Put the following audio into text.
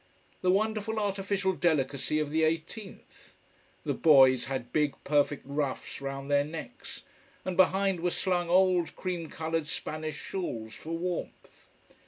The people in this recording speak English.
The wonderful artificial delicacy of the eighteenth. The boys had big, perfect ruffs round their necks: and behind were slung old, cream colored Spanish shawls, for warmth.